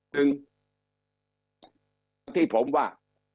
ถึงที่ผมว่า